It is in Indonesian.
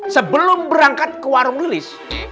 sebelum berangkat ke warung lilis